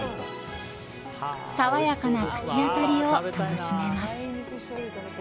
爽やかな口当たりを楽しめます。